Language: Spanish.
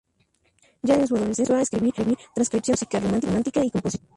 Ya en su adolescencia empezó a escribir transcripciones de música romántica y composición.